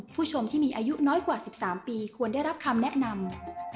ผู้ชมที่มีอายุน้อยกว่า๑๓ปีควรได้รับคำแนะนำ